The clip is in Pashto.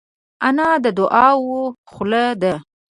انا د دعاوو خوله ده